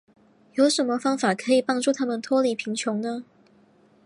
有什么方法可以帮助他们脱离贫穷呢。